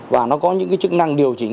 và nó có những chức năng điều chỉnh